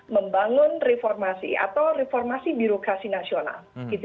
membangun reformasi atau reformasi birokrasi nasional